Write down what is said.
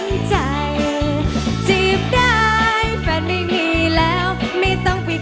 สู้สู้สู้สู้สู้สู้สู้สู้สู้สู้สู้